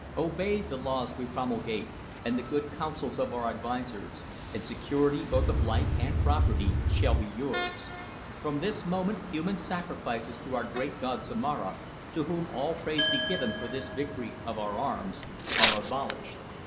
Obey the laws we promulgate and the good counsels of our advisers, and security both of life and property shall be yours. From this moment human sacrifices to our great god Zomara to whom all praise be given for this victory of our arms are abolished.